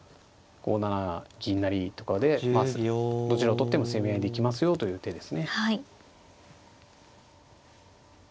５七銀成とかでどちらを取っても攻め合いでいきますよという手ですね。